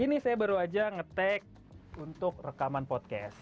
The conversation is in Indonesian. ini saya baru aja nge tag untuk rekaman podcast